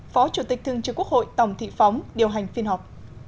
phó chủ tịch thương trực quốc hội tổng thị phóng điều hành phiên họp